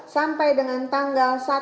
sampai dengan tanggal